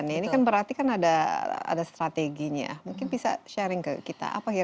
ini kan berarti kan ada strateginya mungkin bisa sharing ke kita apa kira kira strategi yang bisa kita bagikan